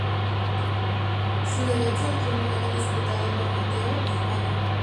Su derecho al trono era disputado por Mateo y Juana.